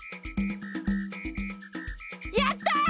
やった！